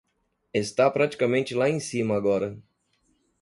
Está praticamente lá em cima agora.